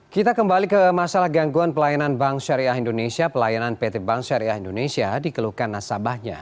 kita kembali ke masalah gangguan pelayanan bank syariah indonesia pelayanan pt bank syariah indonesia dikeluhkan nasabahnya